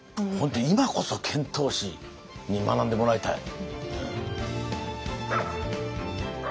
今こそ遣唐使に学んでもらいたい。